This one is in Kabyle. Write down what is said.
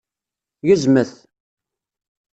Gezmet!